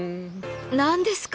何ですか？